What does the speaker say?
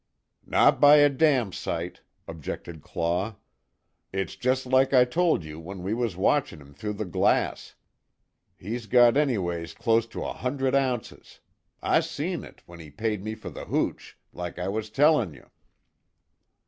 "Not by a damn sight!" objected Claw. "It's jest like I told you, when we was watchin' him through the glass. He's got anyways clost to a hundred ounces. I seen it, when he paid me fer the hooch, like I was tellin' you."